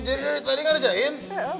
jadi dari tadi ngerjain